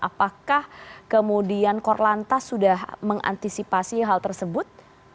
apakah kemudian korlantas sudah mengantisipasi hal tersebut